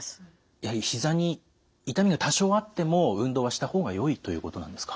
やはりひざに痛みが多少あっても運動はした方がよいということなんですか？